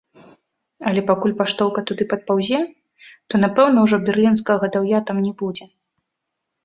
Але пакуль паштоўка туды падпаўзе, то напэўна ўжо берлінскага гадаўя там не будзе.